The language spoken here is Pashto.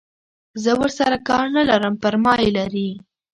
زه ورسره کار نه لرم پر ما یې لري.